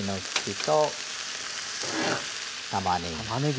たまねぎ。